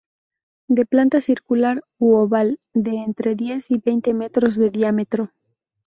De planta circular u oval, de entre diez y veinte metros de diámetro.